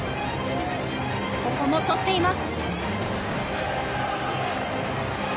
ここも取っています。